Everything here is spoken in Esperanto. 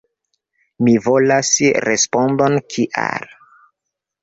Mi volas respondon kial.